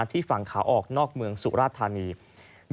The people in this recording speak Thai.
ที่ฝั่งขาออกนอกเมืองสุราชธานีพย์